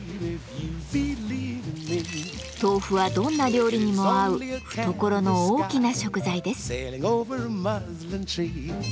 豆腐はどんな料理にも合う懐の大きな食材です。